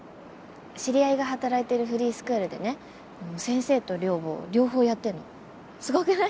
知り合いが働いてるフリースクールでね先生と寮母両方やってるのすごくない？